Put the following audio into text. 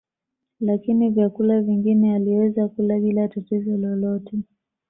Lakini vyakula vingine aliweza kula bila tatizo lolote